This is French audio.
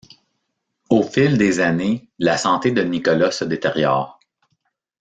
Au fil des années, la santé de Nicolas se détériore.